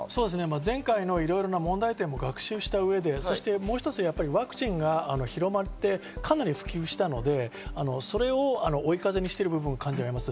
前回の問題点も学習した上でもう一つ、ワクチンが広まって、かなり普及したので、それを追い風にしている部分が感じられます。